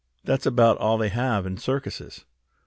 "That's about all they have in circuses."